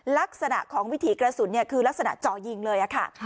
ลักษณะของวิถีกระสุนคือลักษณะเจาะยิงเลยค่ะ